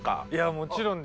もちろんです。